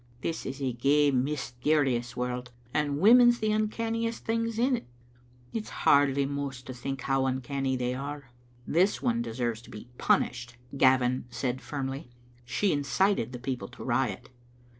This is a gey mysterious world, and women's the uncanniest things in't. It's hardly mous to think how uncanny they are." "This one deserves to be punished," Gavin said, firmly ;" she incited the people to riot.